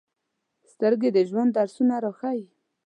سترګې د ژوند درسونه راښيي